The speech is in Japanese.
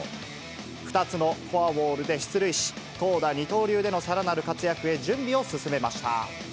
２つのフォアボールで出塁し、投打二刀流でのさらなる活躍へ準備を進めました。